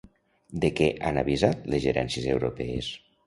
De què han avisat les gerències europees?